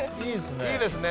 いいですね。